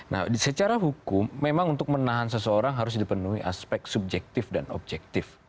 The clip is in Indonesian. nah secara hukum memang untuk menahan seseorang harus dipenuhi aspek subjektif dan objektif